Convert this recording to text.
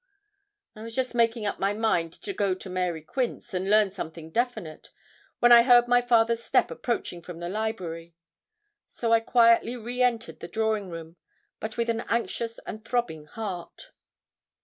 I was just making up my mind to go to Mary Quince, and learn something definite, when I heard my father's step approaching from the library: so I quietly re entered the drawing room, but with an anxious and throbbing heart.